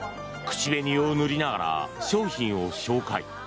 口紅を塗りながら商品を紹介。